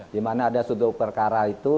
di mana ada sudut perkara itu